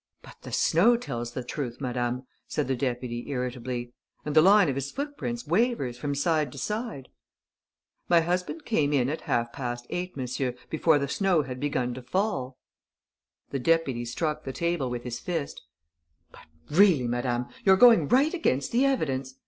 "But the snow tells the truth, madame," said the deputy, irritably. "And the line of his footprints wavers from side to side." "My husband came in at half past eight, monsieur, before the snow had begun to fall." The deputy struck the table with his fist: "But, really, madame, you're going right against the evidence!...